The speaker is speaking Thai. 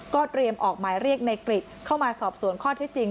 เตรียมออกหมายเรียกในกริจเข้ามาสอบสวนข้อที่จริง